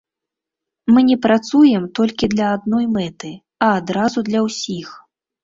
Мы не працуем толькі для адной мэты, а адразу для ўсіх.